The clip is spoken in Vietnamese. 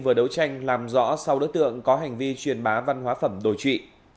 vừa đấu tranh làm rõ sau đối tượng có hành vi truyền bá văn hóa phẩm đổi trị